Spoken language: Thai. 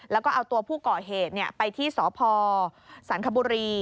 แล้วก็เอาตัวผู้ก่อเหตุไปที่สพสันคบุรี